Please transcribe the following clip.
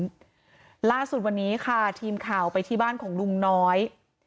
อุปัชฌาตร์ระสุทธิวันนี้ที่ไปที่บ้านของลุงน้อย